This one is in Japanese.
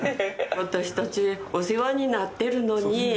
私たち、お世話になってるのに。